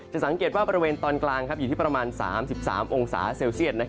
สังเกตว่าบริเวณตอนกลางอยู่ที่ประมาณ๓๓องศาเซลเซียต